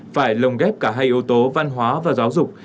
phải lồng ghép cả hai yếu tố văn hóa và giáo dục